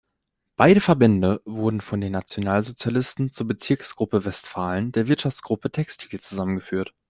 Beide Verbände wurden von den Nationalsozialisten zur „Bezirksgruppe Westfalen der Wirtschaftsgruppe Textil“ zusammengeführt.